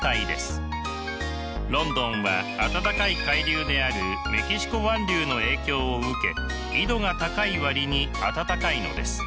ロンドンは暖かい海流であるメキシコ湾流の影響を受け緯度が高い割に暖かいのです。